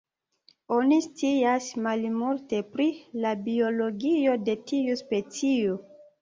Oni scias malmulte pri la biologio de tiu specio.